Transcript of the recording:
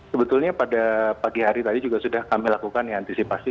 sebetulnya pada pagi hari tadi juga sudah kami lakukan antisipasi